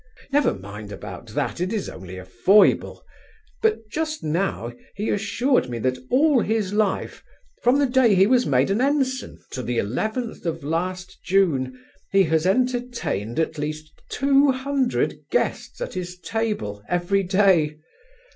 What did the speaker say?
Never mind about that, it is only a foible; but just now he assured me that all his life, from the day he was made an ensign to the 11th of last June, he has entertained at least two hundred guests at his table every day.